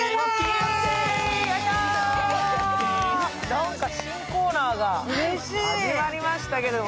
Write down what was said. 何か新コーナーが始まりましたけど。